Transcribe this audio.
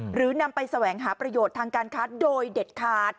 หรือนำไปแสวงหาประโยชน์ทางการค้าโดยเด็ดขาด